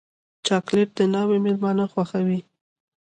چاکلېټ د ناوې مېلمانه خوښوي.